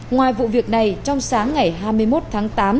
ngoài vụ việc này trong sáng ngày hai mươi một tháng tám